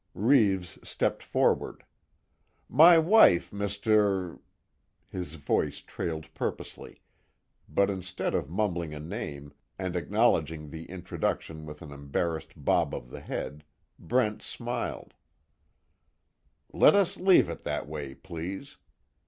Reeves stepped forward: "My wife, Mr. ," his voice trailed purposely, but instead of mumbling a name, and acknowledging the introduction with an embarrassed bob of the head, Brent smiled: "Let us leave it that way, please.